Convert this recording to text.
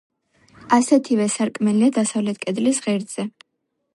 ასეთივე სარკმელია დასავლეთ კედლის ღერძზე.